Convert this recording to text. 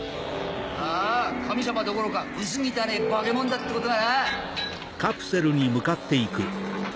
ああ神様どころか薄汚ねぇ化け物だってことがな。